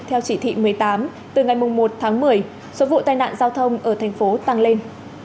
theo chỉ thị một mươi tám từ ngày một tháng một mươi số vụ tai nạn giao thông ở thành phố tăng lên